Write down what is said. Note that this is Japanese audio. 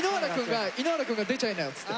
井ノ原くんが「出ちゃいなよ！」っつって。